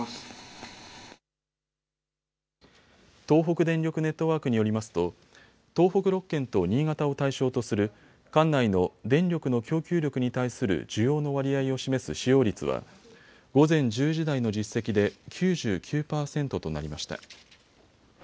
東北電力ネットワークによりますと東北６県と新潟を対象とする管内の電力の供給力に対する需要の割合を示す使用率は午前１０時台の実績で９９％となりました。